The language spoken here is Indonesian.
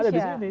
ada di sini